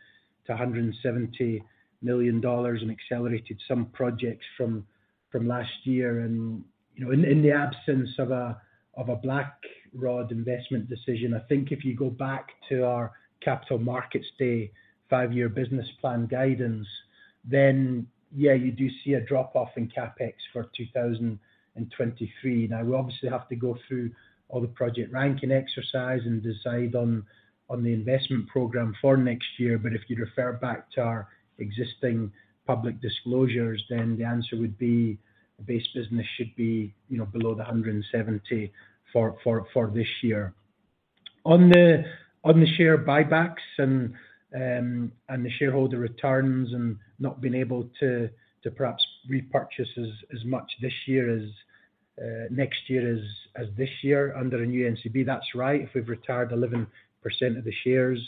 $170 million and accelerated some projects from last year. You know, in the absence of a Blackrod investment decision, I think if you go back to our Capital Markets Day five-year business plan guidance, then yeah, you do see a drop-off in CapEx for 2023. Now, we obviously have to go through all the project ranking exercise and decide on the investment program for next year. If you refer back to our existing public disclosures, then the answer would be the base business should be, you know, below $170 for this year. On the share buybacks and the shareholder returns and not being able to perhaps repurchase as much this year as next year as this year under a new NCIB. That's right. If we've retired 11% of the shares,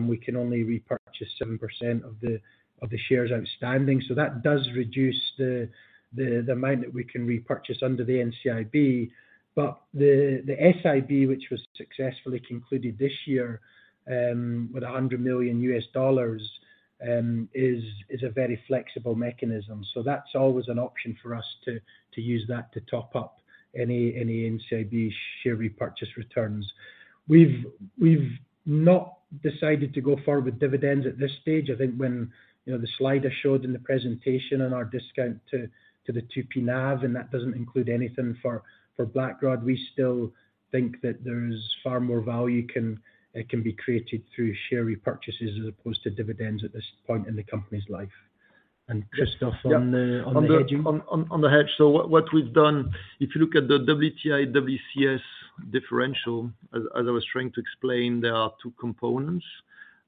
we can only repurchase 7% of the shares outstanding. That does reduce the amount that we can repurchase under the NCIB. The SIB, which was successfully concluded this year, with $100 million, is a very flexible mechanism. That's always an option for us to use that to top up any NCIB share repurchase returns. We've not decided to go forward with dividends at this stage. I think when you know the slide I showed in the presentation on our discount to the 2P NAV, and that doesn't include anything for Blackrod. We still think that there's far more value can be created through share repurchases as opposed to dividends at this point in the company's life. Christophe Nerguararian on the hedging. On the hedge. What we've done, if you look at the WTI, WCS differential, as I was trying to explain, there are two components.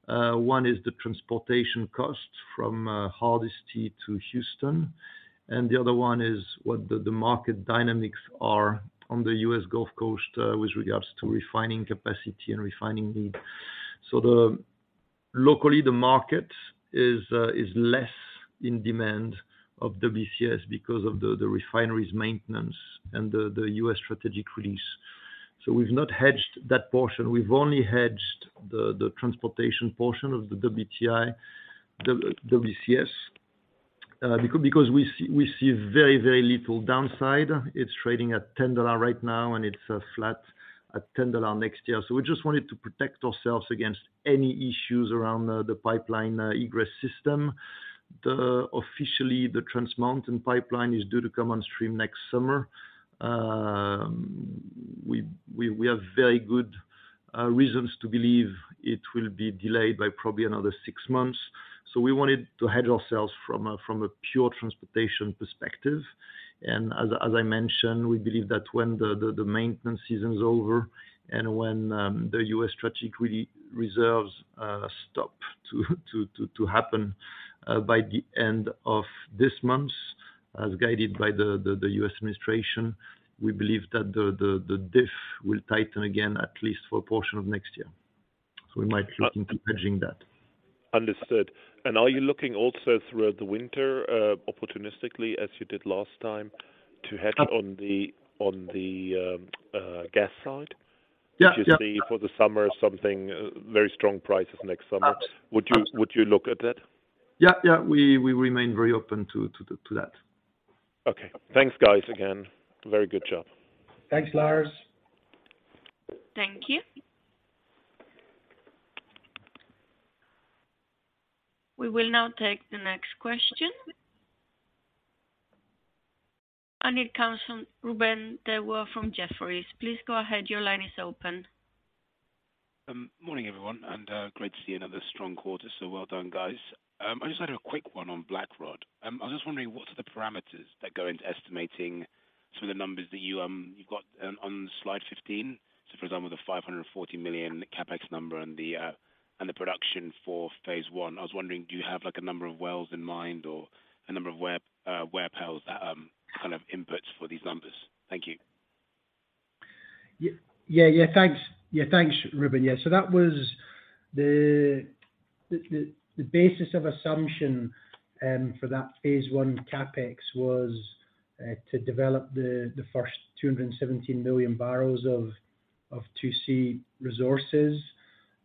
One is the transportation cost from Hardisty to Houston, and the other one is what the market dynamics are on the U.S. Gulf Coast with regards to refining capacity and refining needs. Locally, the market is less in demand of WCS because of the refineries maintenance and the U.S. strategic release. We've not hedged that portion. We've only hedged the transportation portion of the WTI, WCS because we see very little downside. It's trading at $10 right now, and it's flat at $10 next year. We just wanted to protect ourselves against any issues around the pipeline egress system. Officially, the Trans Mountain pipeline is due to come on stream next summer. We have very good reasons to believe it will be delayed by probably another six months. We wanted to hedge ourselves from a pure transportation perspective. As I mentioned, we believe that when the maintenance season is over and when the United States Strategic Petroleum Reserve stops to happen by the end of this month, as guided by the U.S. administration, we believe that the diff will tighten again at least for a portion of next year. We might look into hedging that. Understood. Are you looking also throughout the winter, opportunistically, as you did last time, to hedge. Yeah. on the gas side? Yeah. Yeah. Did you see for the summer something, very strong prices next summer? Abso- Would you look at that? Yeah. We remain very open to that. Okay. Thanks, guys, again. Very good job. Thanks, Lars. Thank you. We will now take the next question. It comes from Ruben De Waele from Jefferies. Please go ahead. Your line is open. Morning, everyone, and great to see another strong quarter, so well done, guys. I just had a quick one on Blackrod. I was just wondering, what are the parameters that go into estimating some of the numbers that you've got on slide 15? For example, the $540 million CapEx number and the production for Phase 1. I was wondering, do you have like a number of wells in mind or a number of wells that kind of input for these numbers? Thank you. Thanks, Ruben. That was the basis of assumption for that Phase 1 CapEx to develop the first 217 million bbl of 2C resources.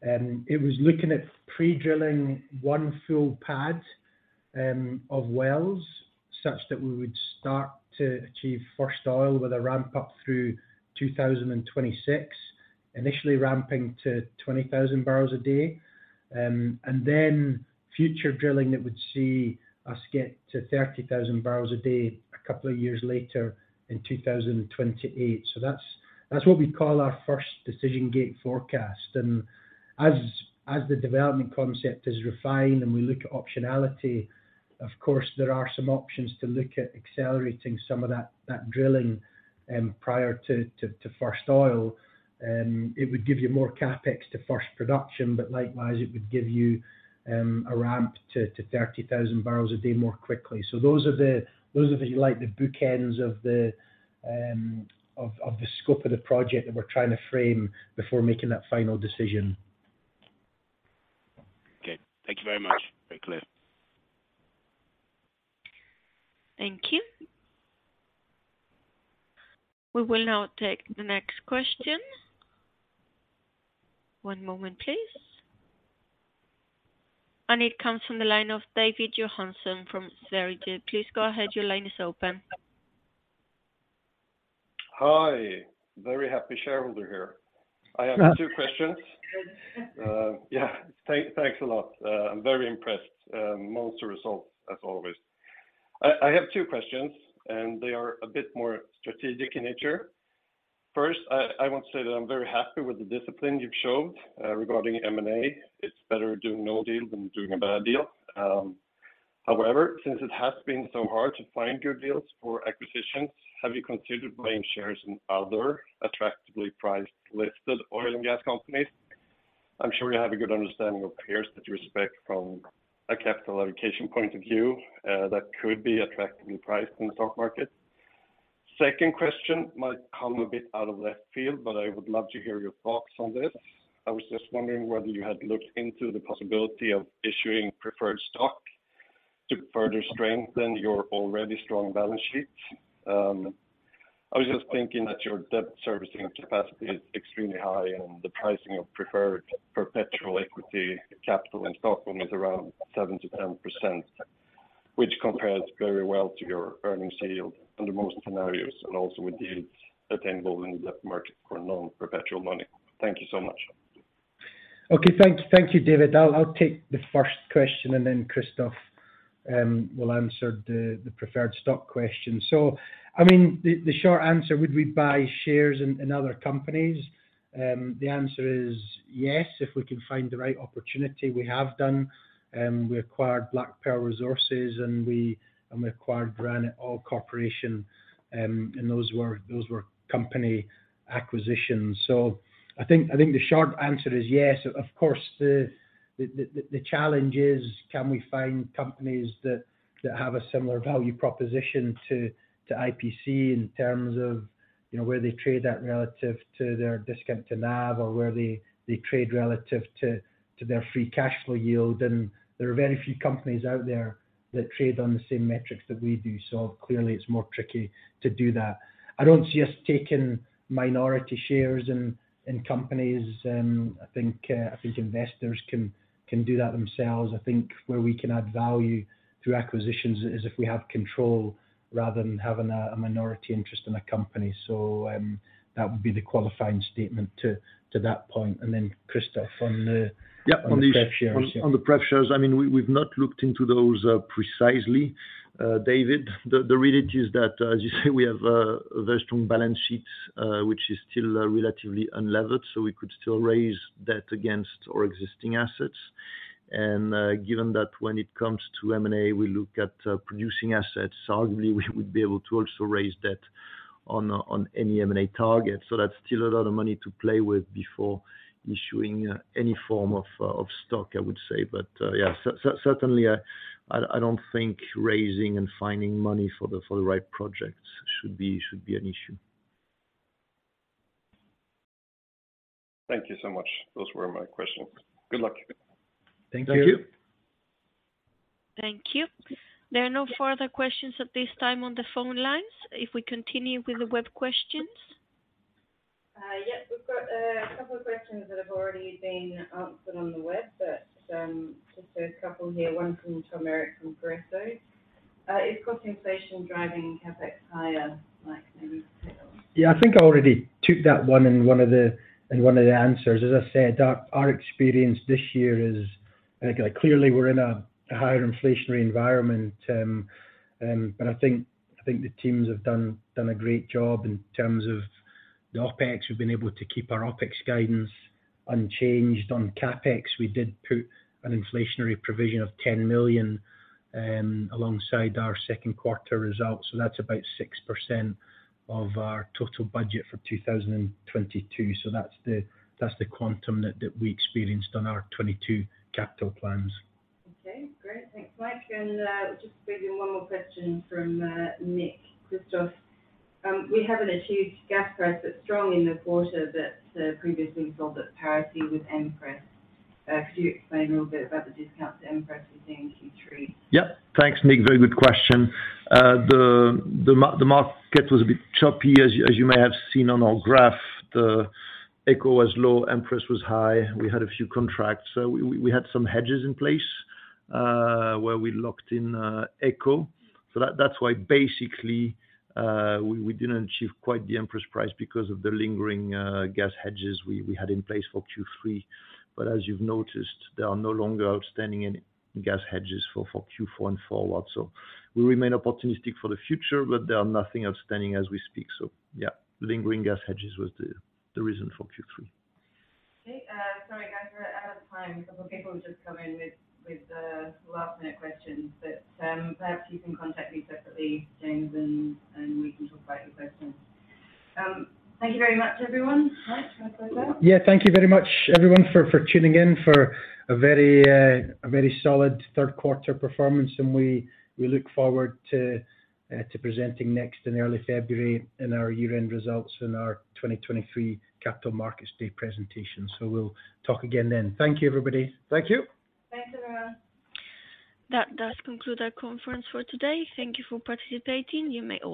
It was looking at pre-drilling one full pad of wells, such that we would start to achieve first oil with a ramp up through 2026. Initially ramping to 20,000 bbl a day. Then future drilling that would see us get to 30,000 bbl a day a couple of years later in 2028. That's what we call our first decision gate forecast. As the development concept is refined and we look at optionality, of course, there are some options to look at accelerating some of that drilling prior to first oil. It would give you more CapEx to first production, but likewise, it would give you a ramp to 30,000 bbl a day more quickly. Those are, if you like, the bookends of the scope of the project that we're trying to frame before making that final decision. Okay. Thank you very much. Very clear. Thank you. We will now take the next question. One moment, please. It comes from the line of David Johansson from SEB. Please go ahead. Your line is open. Hi. Very happy shareholder here. I have two questions. Thanks a lot. I'm very impressed. Monster results as always. I have two questions, and they are a bit more strategic in nature. First, I want to say that I'm very happy with the discipline you've showed regarding M&A. It's better doing no deal than doing a bad deal. However, since it has been so hard to find good deals for acquisitions, have you considered buying shares in other attractively priced listed oil and gas companies? I'm sure you have a good understanding of peers that you respect from a capital allocation point of view that could be attractively priced in the stock market. Second question might come a bit out of left field, but I would love to hear your thoughts on this. I was just wondering whether you had looked into the possibility of issuing preferred stock to further strengthen your already strong balance sheet. I was just thinking that your debt servicing capacity is extremely high and the pricing of preferred perpetual equity capital and stock is around 7%-10%, which compares very well to your earnings yield under most scenarios and also with deals attainable in the debt market for non-perpetual money. Thank you so much. Okay. Thank you, David. I'll take the first question, and then Christophe will answer the preferred stock question. I mean, the short answer, would we buy shares in other companies? The answer is yes, if we can find the right opportunity. We have done. We acquired Black Pearl Resources and we acquired Granite Oil Corporation. And those were company acquisitions. I think the short answer is yes. Of course, the challenge is can we find companies that have a similar value proposition to IPC in terms of, you know, where they trade at relative to their discount to NAV or where they trade relative to their free cash flow yield. There are very few companies out there that trade on the same metrics that we do. Clearly it's more tricky to do that. I don't see us taking minority shares in companies. I think investors can do that themselves. I think where we can add value through acquisitions is if we have control rather than having a minority interest in a company. That would be the qualifying statement to that point. Then Christophe on the. Yeah. On the pref shares. On the pref shares. I mean, we've not looked into those precisely, David. The reality is that, as you say, we have a very strong balance sheet, which is still relatively unlevered, so we could still raise debt against our existing assets. Given that when it comes to M&A, we look at producing assets, arguably we would be able to also raise debt on any M&A target. That's still a lot of money to play with before issuing any form of stock, I would say. Yeah, certainly, I don't think raising and finding money for the right projects should be an issue. Thank you so much. Those were my questions. Good luck. Thank you. Thank you. Thank you. There are no further questions at this time on the phone lines. If we continue with the web questions. Yes. We've got a couple of questions that have already been answered on the web, but just a couple here. One from Tom Erik Kristiansen from Pareto Securities. Is cost inflation driving CapEx higher, Mike, can you tell? Yeah. I think I already took that one in one of the answers. As I said, our experience this year is like clearly we're in a higher inflationary environment, but I think the teams have done a great job in terms of the OpEx. We've been able to keep our OpEx guidance unchanged. On CapEx, we did put an inflationary provision of $10 million alongside our second quarter results. That's about 6% of our total budget for 2022. That's the quantum that we experienced on our 2022 capital plans. Okay, great. Thanks, Mike. Just maybe one more question from Nick. Christophe, we have net gas price, but strong in the quarter that previously sold at parity with Empress. Could you explain a little bit about the discount to Empress we've seen in Q3? Yeah. Thanks, Nick. Very good question. The market was a bit choppy as you may have seen on our graph. The AECO was low, Empress was high. We had a few contracts. We had some hedges in place, where we locked in AECO. That’s why basically we didn’t achieve quite the Empress price because of the lingering gas hedges we had in place for Q3. As you’ve noticed, there are no longer outstanding any gas hedges for Q4 and forward. We remain opportunistic for the future, but there are nothing outstanding as we speak. Yeah, lingering gas hedges was the reason for Q3. Okay. Sorry guys, we're out of time. A couple of people have just come in with last-minute questions, but perhaps you can contact me separately, James, and we can talk about your questions. Thank you very much, everyone. Mike, do you want to close out? Yeah. Thank you very much everyone for tuning in for a very solid third quarter performance, and we look forward to presenting next in early February in our year-end results in our 2023 Capital Markets Day presentation. We'll talk again then. Thank you, everybody. Thank you. Thanks, everyone. That does conclude our conference for today. Thank you for participating. You may all-